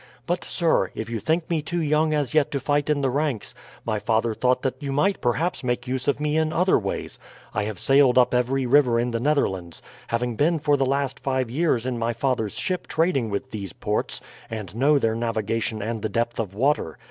"But, sir, if you think me too young as yet to fight in the ranks, my father thought that you might perhaps make use of me in other ways. I have sailed up every river in the Netherlands, having been for the last five years in my father's ship trading with these ports, and know their navigation and the depth of water.